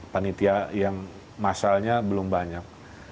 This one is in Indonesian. panitia yang masalnya belum banyak